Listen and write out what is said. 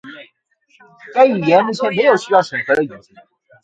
该语言目前没有需要审核的语句。